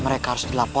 mereka harus dilaporkan